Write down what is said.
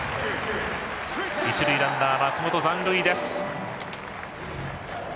一塁ランナーの松本、残塁です。